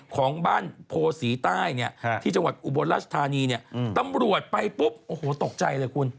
ของบ้านโพศีใต้เนี่ยที่จังหวัดอุบลราชธานีเนี่ยตำรวจไปปุ๊บโอ้โหตกใจเลยคุณ